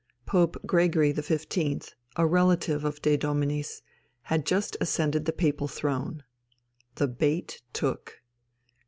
Pope Gregory XV., a relative of De Dominis, had just ascended the Papal throne. The bait took.